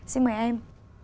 xin mời em